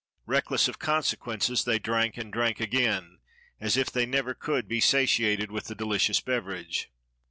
Reckless of consequences, they drank and drank again, as if they never could be satiated with the delicious beverage.